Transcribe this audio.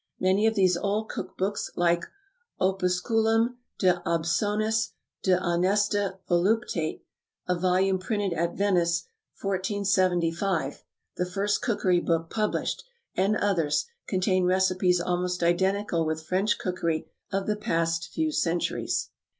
Many of these old cook books, like "Opusculum de Obsoniis de Honesta Voluptate," a volume printed at Venice, 1475 (the first cookery book published), and others, contain recipes almost identical with French cookery of the past few centuries.